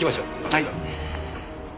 はい。